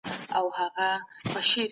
ما به د طالب جان او ګلبشرې کیسې لوستلې.